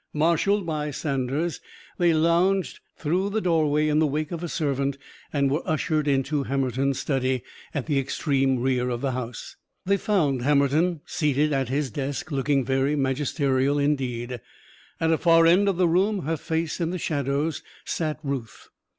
Marshalled by Saunders, they lounged through the doorway in the wake of a servant and were ushered into Hammerton's study at the extreme rear of the house. They found Hammerton seated at his desk, looking very magisterial indeed. At a far end of the room, her face in the shadows, sat Ruth.